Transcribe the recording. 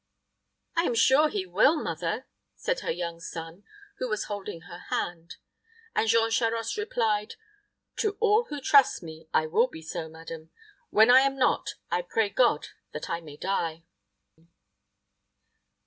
"I am sure he will, mother," said her young son, who was holding her hand; and Jean Charost replied, "To all who trust me, I will be so, madam. When I am not, I pray God that I may die."